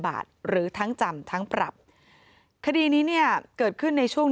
บาทหรือทั้งจำทั้งปรับคดีนี้เนี่ยเกิดขึ้นในช่วง